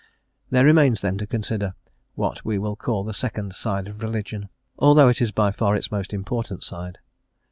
There remains then to consider what we will call the second side of religion, although it is by far its most important side.